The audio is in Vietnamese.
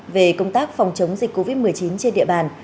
về công tác phòng chống dịch covid một mươi chín trên địa bàn